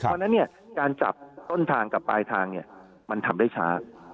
เพราะฉะนั้นการจับต้นทางกับปลายทางมันทำได้ช้า